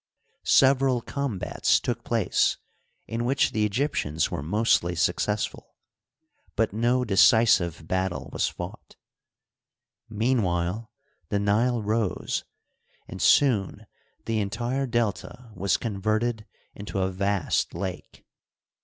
Several combats took place, in which the Egyptians were mostly successful, but no decisive battle was fought. Meanwhile the Nile rose, and soon the entire Delta was converted into a vast lake.